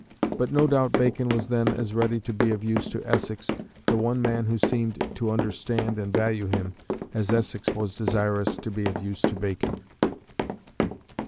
But no doubt Bacon was then as ready to be of use to Essex, the one man who seemed to understand and value him, as Essex was desirous to be of use to Bacon.